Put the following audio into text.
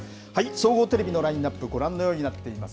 総合テレビのラインナップ、ご覧のようになっています。